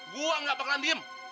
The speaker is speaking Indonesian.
gua gak bakalan diem